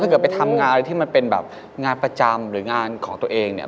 เกิดไปทำงานอะไรที่มันเป็นแบบงานประจำหรืองานของตัวเองเนี่ย